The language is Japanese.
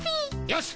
よし！